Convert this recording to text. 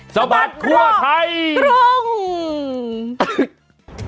สบัดครัวไทยตรง